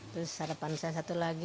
terus harapan saya satu lagi